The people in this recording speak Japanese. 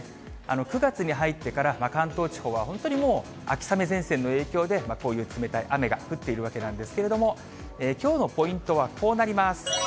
９月に入ってから関東地方は本当にもう、秋雨前線の影響で、こういう冷たい雨が降っているわけなんですけれども、きょうのポイントはこうなります。